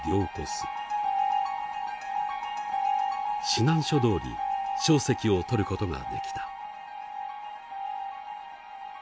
指南書どおり硝石を取ることができた。